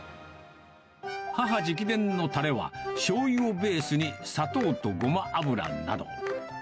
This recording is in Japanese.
母直伝のたれは、しょうゆをベースに砂糖とごま油など。